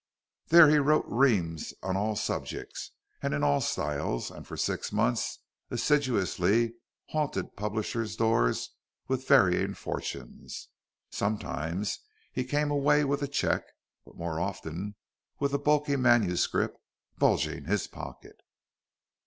There he wrote reams on all subjects and in all styles, and for six months assiduously haunted publishers' doors with varying fortunes. Sometimes he came away with a cheque, but more often with a bulky manuscript bulging his pocket.